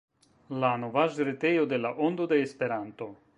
La novaĵretejo de La Ondo de Esperanto.